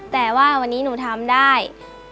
แต่ว่าวันนี้หนูทำได้